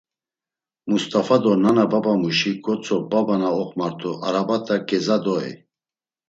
Must̆afa do nana babamuşi gotzo baba na oxmart̆u arabate ǩeza doey.